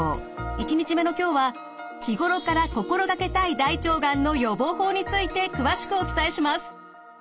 １日目の今日は日頃から心掛けたい大腸がんの予防法について詳しくお伝えします。